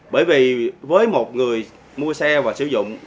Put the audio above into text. bởi vì với một người mua xe và sử dụng